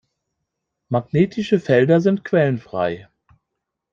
Magnetische Felder sind quellenfrei.